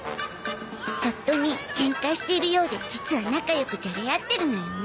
ちょっと見ケンカしているようで実は仲良くじゃれ合ってるのよね。